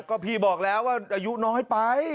ก็พี่บอกแล้วว่าอายุน้อยไป